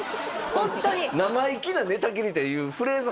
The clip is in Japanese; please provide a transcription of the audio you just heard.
ホントに「生意気な寝たきり」っていうフレーズ